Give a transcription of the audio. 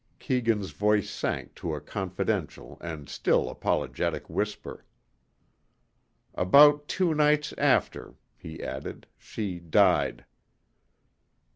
Keegan's voice sank to a confidential and still apologetic whisper. "About two nights after," he added, "she died."